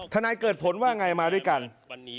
ฐานายเกิดผลว่าง่ายมาด้วยกัน